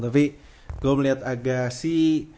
tapi gue melihat agassi